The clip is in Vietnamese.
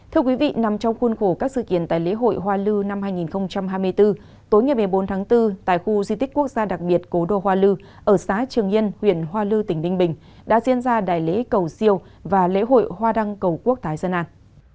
thưa quý vị nằm trong khuôn khổ các sự kiện tại lễ hội hoa lư năm hai nghìn hai mươi bốn tối ngày một mươi bốn tháng bốn tại khu di tích quốc gia đặc biệt cố đô hoa lư ở xã trường yên huyện hoa lư tỉnh ninh bình đã diễn ra đại lễ cầu siêu và lễ hội hoa đăng cầu quốc thái dân an